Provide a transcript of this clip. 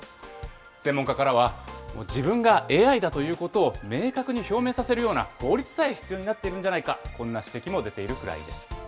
専門家からは自分がＡＩだということを明確に表明させるような法律さえ必要になっているんじゃないか、こんな指摘も出ているくら